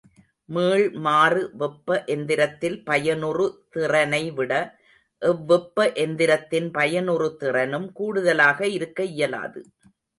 மீள்மாறு வெப்ப எந்திரத்தில் பயனுறு திறனைவிட எவ்வெப்ப எந்திரத்தின் பயனுறு திறனும் கூடுதலாக இருக்க இயலாது.